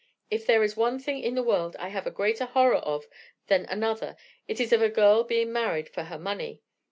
If there is one thing in the world I have a greater horror of than another, it is of a girl being married for her money.